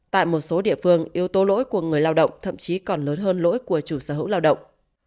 tại một số địa phương yếu tố lỗi của người lao động thậm chí còn lớn hơn lỗi của chủ sở hữu lao động